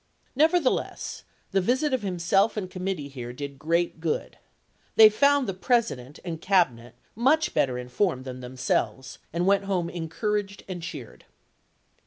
Never theless the visit of himself and committee here did great good. They found the President and Cabinet j. g. n., much better informed than themselves, and went Mem a home encouraged and cheered."